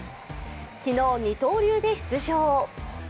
昨日、二刀流で出場。